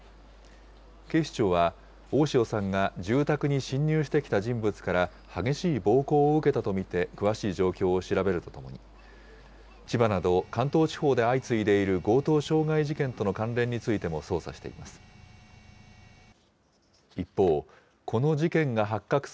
警視庁は、大塩さんが住宅に侵入してきた人物から、激しい暴行を受けたと見て、詳しい状況を調べるとともに、千葉など、関東地方で相次いでいる強盗傷害事件との関連についても捜査しています。